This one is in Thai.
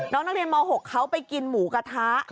น้องนักเรียนม๖เขาไปกินหมูกระทะ